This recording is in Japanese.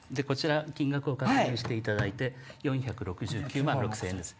金額を確認していただいて４６９万６０００円です。